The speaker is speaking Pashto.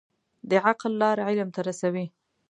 د عقل لار علم ته رسوي.